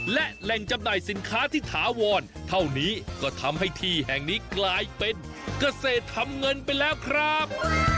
และแหล่งจำหน่ายสินค้าที่ถาวรเท่านี้ก็ทำให้ที่แห่งนี้กลายเป็นเกษตรทำเงินไปแล้วครับ